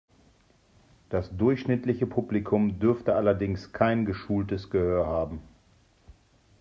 Das durchschnittliche Publikum dürfte allerdings kein geschultes Gehör haben.